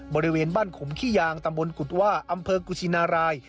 บริเวณบ้านขมขี้ยางตำบลกุฎว่าอำเภอกุชินาราย